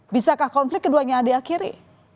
bisakah konflik keduanya diakhiri